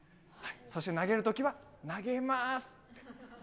そして投げるときは、投げますと！